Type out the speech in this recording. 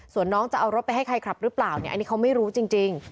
ส่วนน้องจะเอารถไปให้ใครขับหรือเปล่าเนี่ยอันนี้เขาไม่รู้จริง